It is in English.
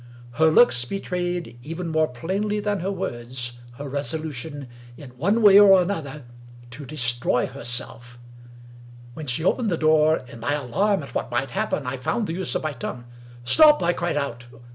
Her looks betrayed, even more plainly than her words, her resolution, in one way or another, to destroy herself. When she opened the door, in my alarm at what might happen I found the use of my tongue. " Stop !'^ I cried out.